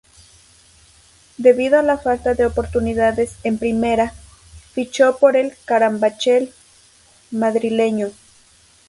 Debido a la falta de oportunidades en Primera, fichó por el Carabanchel madrileño.